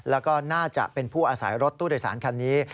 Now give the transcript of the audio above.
แล้วก็น่าจะเป็นผู้อาศัยรถตู้โดยสารคันนี้